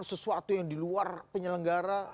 sesuatu yang diluar penyelenggara